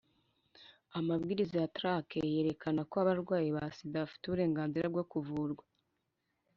amabwiriza ya trac yerekana ko abarwayi ba sida bafite uburenganzira bwo kuvurwa